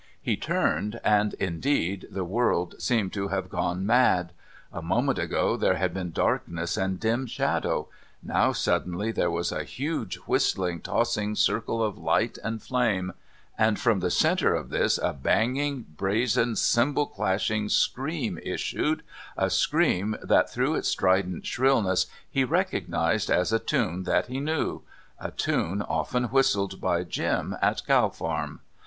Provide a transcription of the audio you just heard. He turned and, indeed, the world seemed to have gone mad. A moment ago there had been darkness and dim shadow. Now, suddenly, there was a huge whistling, tossing circle of light and flame, and from the centre of this a banging, brazen, cymbal clashing scream issued a scream that, through its strident shrillness, he recognised as a tune that he knew a tune often whistled by Jim at Cow Farm.